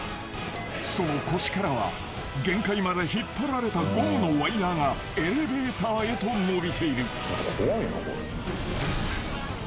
［その腰からは限界まで引っ張られたゴムのワイヤがエレベーターへとのびている］